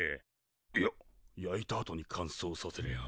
いや焼いたあとにかんそうさせりゃあ。